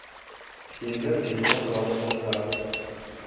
Тимер-бетон заводында.